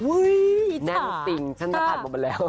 อุ้ยจ๊ะแน่นสิ่งฉันจะผ่านหมดไปแล้ว